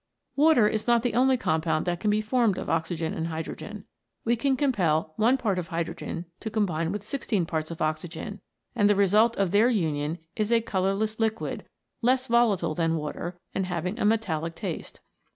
Water is not the only compound that can be formed of oxygen and hydrogen. We can compel one part of hydrogen to combine with sixteen parts of oxygen, and the result of their union is a colour less liquid, less volatile than water, and having a metallic taste.